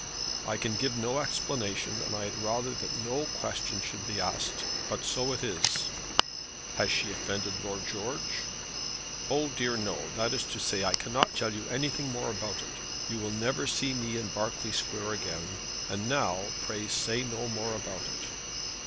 "I can give no explanation, and I had rather that no questions should be asked. But so it is." "Has she offended Lord George?" "Oh dear no; that is to say I cannot tell you anything more about it. You will never see me in Berkeley Square again. And now, pray say no more about it."